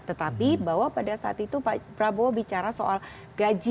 tetapi bahwa pada saat itu pak prabowo bicara soal gaji